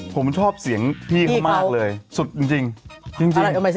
ผมชอบเสียงพี่เขามากเลยสุดจริงจริง